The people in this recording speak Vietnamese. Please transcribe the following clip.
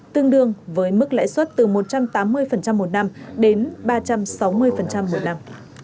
tương đương với mức lãi suất từ một trăm tám mươi một năm đến ba trăm sáu mươi một năm